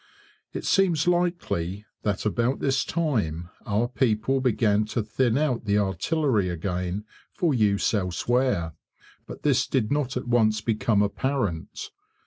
It seems likely that about this time our people began to thin out the artillery again for use elsewhere; but this did not at once become apparent.